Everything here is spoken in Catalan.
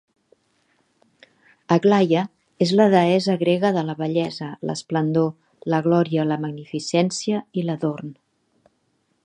Aglaia és la deessa grega de la bellesa, l'esplendor, la glòria, la magnificència i l'adorn.